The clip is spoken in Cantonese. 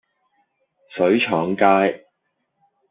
水廠街